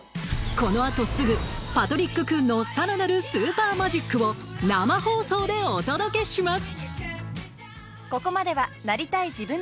［この後すぐパトリック・クンのさらなるスーパーマジックを生放送でお届けします！］